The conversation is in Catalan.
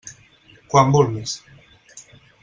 Quan vulguis.